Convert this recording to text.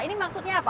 ini maksudnya apa